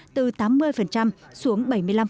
từ tám mươi xuống bảy mươi năm